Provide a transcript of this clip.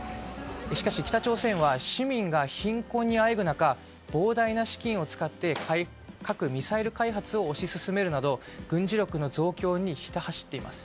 しかし北朝鮮は市民が貧困にあえぐ中膨大な資金を使って核・ミサイル開発を推し進めるなど軍事力の増強にひた走っています。